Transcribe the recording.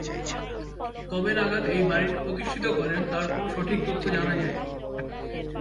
কবে নাগাদ এই বাড়িটি প্রতিষ্ঠিত করেন তার কোনো সঠিক তথ্য জানা যায়নি।